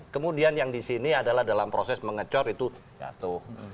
kemudian yang di sini adalah dalam proses mengejar itu ya tuh